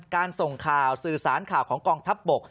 การส่งข่าวสื่อสารข่าวของกองทัพบก